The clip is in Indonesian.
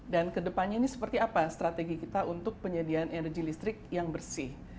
dan ke depannya ini seperti apa strategi kita untuk penyediaan energi listrik yang bersih